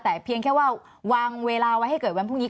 แต่เพียงแค่ว่าวางเวลาไว้ให้เกิดวันพรุ่งนี้